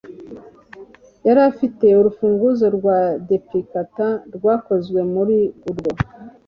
Yari afite urufunguzo rwa duplicate rwakozwe muri urwo